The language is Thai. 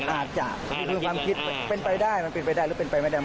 อาจจะทุกคนค้างคิดเป็นไปได้หรือเป็นไปไม่ได้